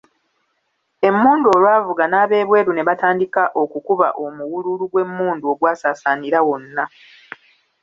Emmundu olwavuga n'ab'ebweru ne batandika okukuba omuwululu gw'emmundu ogwasaasaanira wonna.